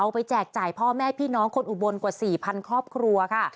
ไปแจกจ่ายพ่อแม่พี่น้องคนอุบลกว่า๔๐๐ครอบครัวค่ะ